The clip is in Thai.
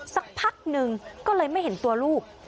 สักพักหนึ่งก็เลยไม่เห็นตัวลูก